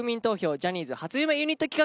ジャニーズ初夢ユニット企画。